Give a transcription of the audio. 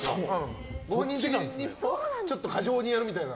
ちょっと過剰にやるみたいな？